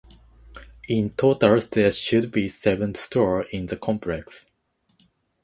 In total there should be seven stores in the complex.